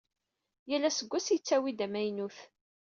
Yal asggas yettawi-d amaynut.